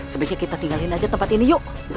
sebaiknya kita tinggalin aja tempat ini yuk